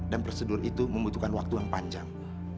dan prosedur itu membutuhkan waktu yang panjang